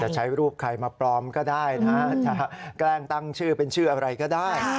ใช้รูปใครมาปลอมก็ได้นะจะแกล้งตั้งชื่อเป็นชื่ออะไรก็ได้